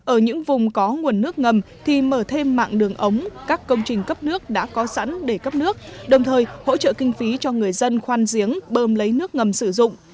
ở những vùng có nguồn nước ngầm thì mở thêm mạng đường ống các công trình cấp nước đã có sẵn để cấp nước đồng thời hỗ trợ kinh phí cho người dân khoan giếng bơm lấy nước ngầm sử dụng